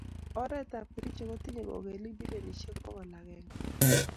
oret ab kericho kotinye kokelik bilionishek pokol agenge